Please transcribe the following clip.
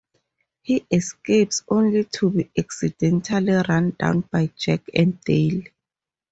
He escapes, only to be accidentally run down by Jack and Dale.